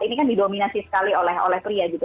ini kan didominasi sekali oleh pria gitu